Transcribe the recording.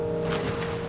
sampai ketemu besok